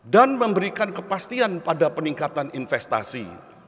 dan memberikan kepastian pada peningkatan investasi